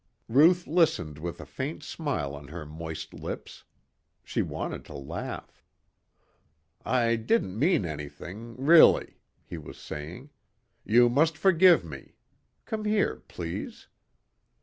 Ruth listened with a faint smile on her moist lips. She wanted to laugh. "I didn't mean anything really," he was saying. "You must forgive me. Come here please."